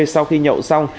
sau khi nhậu xong